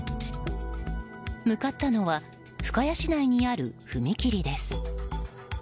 向かったのは深谷市内にある踏切です。